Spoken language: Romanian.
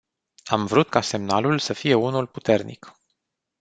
Am vrut ca semnalul să fie unul puternic.